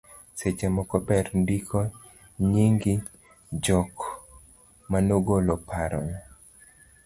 Seche moko ber ndiko nying jok manogolo paro moro